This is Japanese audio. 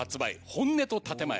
『本音と建前』